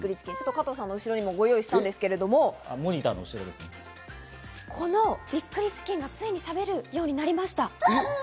加藤さんの後ろにもご用意したんですけど、このびっくりチキンがついにしゃべるようになりました。